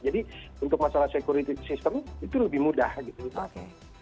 jadi untuk masalah security system itu lebih mudah gitu